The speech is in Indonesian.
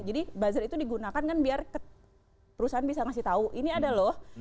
jadi buzzer itu digunakan kan biar perusahaan bisa ngasih tahu ini ada loh